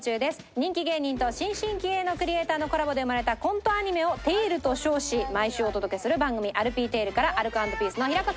人気芸人と新進気鋭のクリエイターのコラボで生まれたコントアニメをテイルと称し毎週お届けする番組『アルピーテイル』からアルコ＆ピースの平子さんです。